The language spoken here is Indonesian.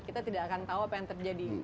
kita tidak akan tahu apa yang terjadi